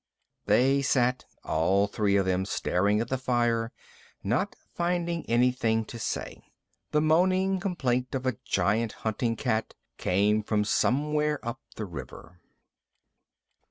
They sat, all three of them, staring at the fire, not finding anything to say. The moaning complaint of a giant hunting cat came from somewhere up the river.